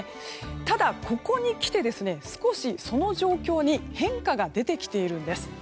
ただ、ここにきて少しその状況に変化が出てきているんです。